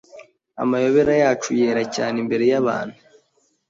Amayobera yacu yera cyane imbere yabantu